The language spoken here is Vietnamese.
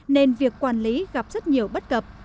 nên việc quản lý gặp rất nhiều bất cập